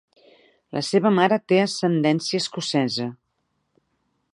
La seva mare té ascendència escocesa.